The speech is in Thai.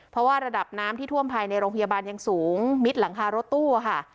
เพราะว่าระดับน้ำที่ท่วมภายในโรงพยาบาลยังสูงมิดหลังคารถตู้ค่ะ